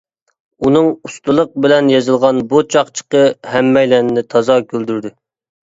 ئۇنىڭ ئۇستىلىق بىلەن يېزىلغان بۇ چاقچىقى ھەممەيلەننى تازا كۈلدۈردى.